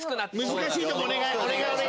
難しいとこお願い！